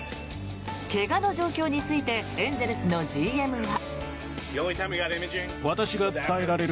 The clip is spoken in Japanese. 怪我の状況についてエンゼルスのＧＭは。